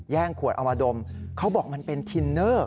ขวดเอามาดมเขาบอกมันเป็นทินเนอร์